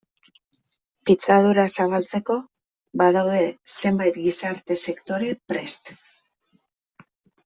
Pitzadura zabaltzeko badaude zenbait gizarte sektore prest.